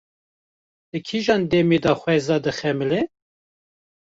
Di kîjan demê de xweza dixemile?